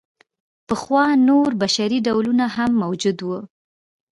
پخوا نور بشري ډولونه هم موجود وو.